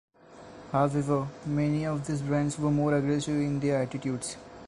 However, many of these bands were more aggressive in their attitudes.